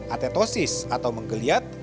atetosis atau menggeliat